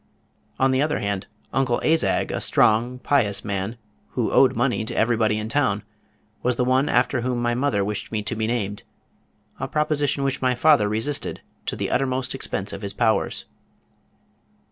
On the other hand Uncle Azag, a strong, pious man, who owed money to everybody in town, was the one after whom my mother wished me to be named, a proposition which my father resisted to the uttermost expense of his powers.